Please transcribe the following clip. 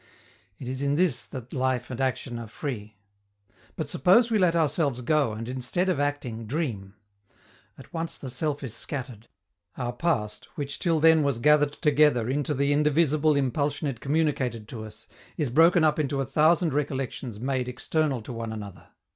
It is in this that life and action are free. But suppose we let ourselves go and, instead of acting, dream. At once the self is scattered; our past, which till then was gathered together into the indivisible impulsion it communicated to us, is broken up into a thousand recollections made external to one another.